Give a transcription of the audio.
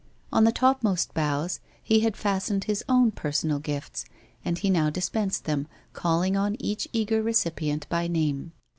On the topmost boughs, he had fastened his own personal gifts, and he now dispensed them, calling on each eager recipient by name.